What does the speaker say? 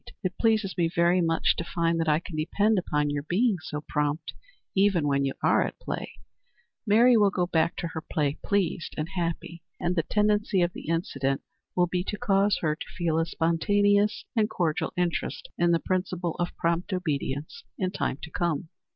It pleases me very much to find that I can depend upon your being so prompt, even when you are at play," Mary will go back to her play pleased and happy; and the tendency of the incident will be to cause her to feel a spontaneous and cordial interest in the principle of prompt obedience in time to come.